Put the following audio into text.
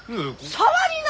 触りな！